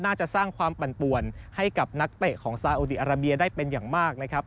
น่าจะสร้างความปั่นป่วนให้กับนักเตะของซาอุดีอาราเบียได้เป็นอย่างมากนะครับ